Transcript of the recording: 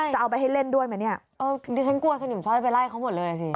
จะเอาไปให้เล่นด้วยไหมเนี่ยเออดิฉันกลัวสนิมสร้อยไปไล่เขาหมดเลยอ่ะสิ